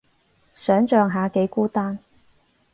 想像下幾孤單